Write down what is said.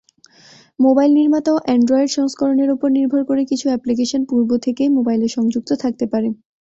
Mobile নির্মাতা ও Android সংস্করণের ওপর নির্ভর করে কিছু অ্যাপ্লিকেশন পূর্ব থেকেই মোবাইলে সংযুক্ত থাকতে পারে।